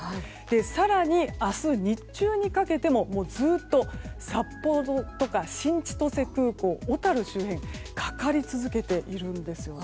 更に、明日日中にかけてもずっと札幌とか新千歳空港や小樽周辺かかり続けているんですよね。